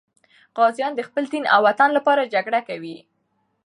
غازیان د خپل دین او وطن لپاره جګړه کوي.